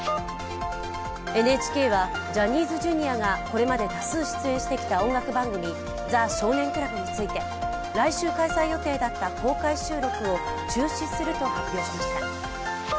ＮＨＫはジャニーズＪｒ．がこれまで多数出演してきた音楽番組、「ザ少年倶楽部」について、来週開催予定だった公開収録を中止すると発表しました。